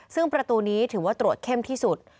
ซึ่งประตูนี้ถือว่าตรวจเข้มที่สุด